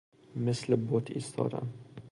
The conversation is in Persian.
مثل بت ایستادن